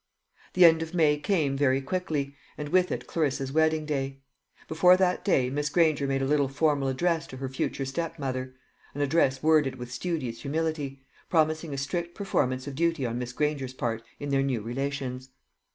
The end of May came very quickly, and with it Clarissa's wedding day. Before that day Miss Granger made a little formal address to her future stepmother an address worded with studious humility promising a strict performance of duty on Miss Granger's part in their new relations.